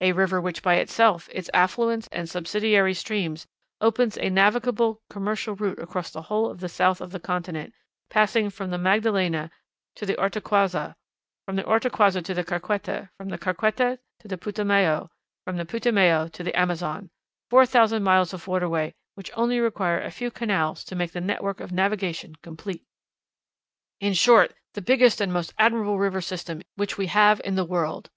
"A river which, by itself, its affluents, and subsidiary streams, opens a navigable commercial route across the whole of the south of the continent, passing from the Magdalena to the Ortequazza, from the Ortequazza to the Caqueta, from the Caqueta to the Putumayo, from the Putumayo to the Amazon! Four thousand miles of waterway, which only require a few canals to make the network of navigation complete!" "In short, the biggest and most admirable river system which we have in the world."